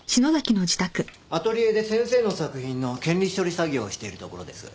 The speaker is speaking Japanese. アトリエで先生の作品の権利処理作業をしているところです。